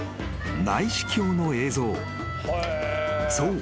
［そう。